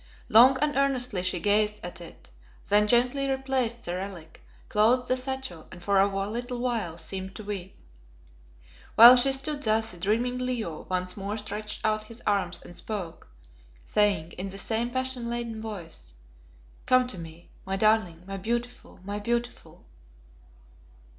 Long and earnestly she gazed at it, then gently replaced the relic, closed the satchel and for a little while seemed to weep. While she stood thus the dreaming Leo once more stretched out his arms and spoke, saying, in the same passion laden voice "Come to me, my darling, my beautiful, my beautiful!"